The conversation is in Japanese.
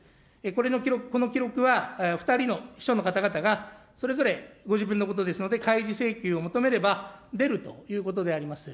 これの、この記録は、２人の秘書の方々が、それぞれご自分のことですので、開示請求を求めれば出るということであります。